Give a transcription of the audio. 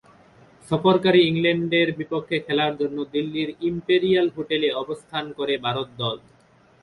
সফরকারী ইংল্যান্ডের বিপক্ষে খেলার জন্য দিল্লির ইম্পেরিয়াল হোটেলে অবস্থান করে ভারত দল।